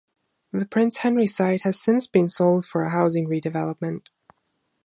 The Prince Henry site has since been sold for a housing redevelopment.